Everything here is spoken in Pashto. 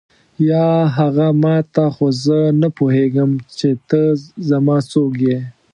یا هغه ما ته خو زه نه پوهېږم چې ته زما څوک یې.